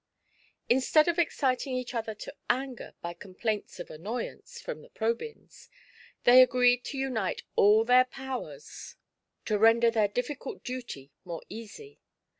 Instead of exciting each other to anger by complaints of annoyance from the Probyns, they agreed to unite all their powers to render their difficult duty more easy.